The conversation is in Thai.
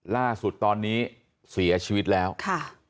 ล่าสุดตอนนี้เสียชีวิตแล้วค่ะ